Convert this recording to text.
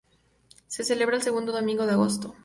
Se celebra el segundo domingo de agosto.